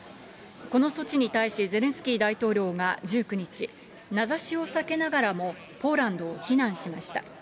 この措置に対し、ゼレンスキー大統領が１９日、名指しを避けながらも、ポーランドを非難しました。